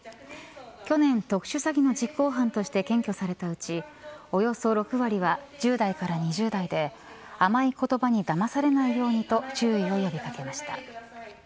去年、特殊詐欺の実行犯として検挙されたうちおよそ６割は１０代から２０代で甘い言葉にだまされないようにと注意を呼び掛けました。